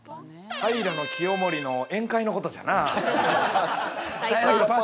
平清盛の宴会のことじゃなー。